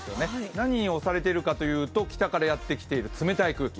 何に押されているかというと来たからやってきている冷たい空気。